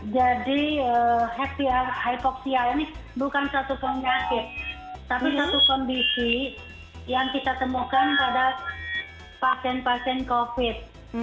jadi happy hypoxia ini bukan satu penyakit tapi satu kondisi yang kita temukan pada pasien pasien covid